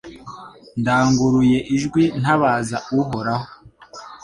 Ndanguruye ijwi ntabaza Uhoraho